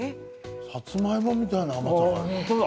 さつまいもみたいな甘さだ。